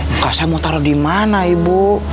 muka saya mau taruh di mana ibu